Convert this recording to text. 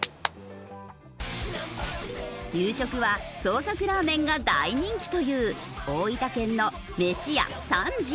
夕食は創作ラーメンが大人気という大分県のめし屋賛辞。